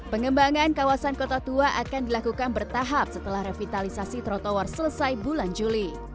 pengembangan kawasan kota tua akan dilakukan bertahap setelah revitalisasi trotoar selesai bulan juli